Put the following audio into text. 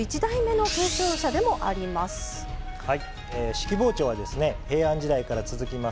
式包丁は平安時代から続きます